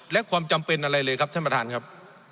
และความจำเป็นอะไรเลยครับท่านประธานครับ